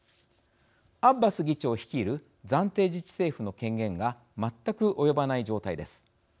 アッバス議長率いる暫定自治政府の権限が全く及ばない状態です。